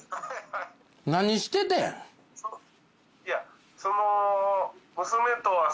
いやその。